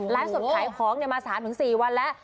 สดขายของมา๓๔วันแล้ว